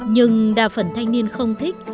nhưng đa phần thanh niên không thích